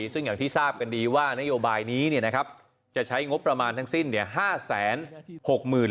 ซึ่งอย่างที่ทราบกันดีว่านโยบายนี้จะใช้งบประมาณทั้งสิ้น๕๖๐๐๐บาท